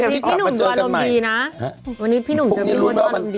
พี่หนุ่มดูอารมณ์ดีนะวันนี้พี่หนุ่มจะมีวันดี